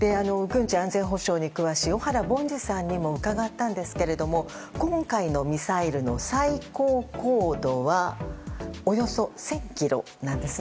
軍事安全保障にお詳しい小原凡司さんにも伺ったんですけども今回のミサイルの最高高度はおよそ１０００ｋｍなんです。